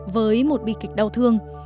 với một bi kịch đau thương